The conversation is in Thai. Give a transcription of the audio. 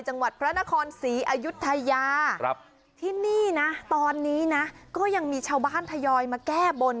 จังหวัดพระนครศรีอายุทยาที่นี่นะตอนนี้นะก็ยังมีชาวบ้านทยอยมาแก้บน